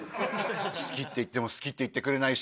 「好き」って言っても「好き」って言ってくれないし。